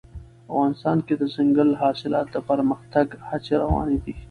افغانستان کې د دځنګل حاصلات د پرمختګ هڅې روانې دي.